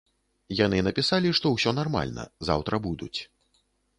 Яны напісалі, што ўсё нармальна, заўтра будуць.